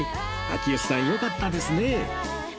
秋吉さんよかったですね